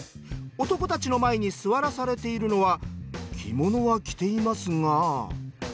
男たちの前に座らされているのは着物は着ていますが。